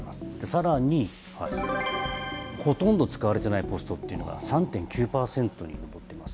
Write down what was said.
さらにほとんど使われていないポストっていうのが３．９％に上っています。